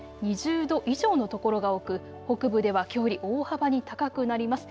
２０度以上の所が多く北部ではきょうより大幅に高くなります。